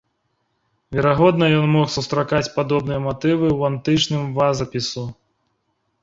Верагодна, ён мог сустракаць падобныя матывы ў антычным вазапісу.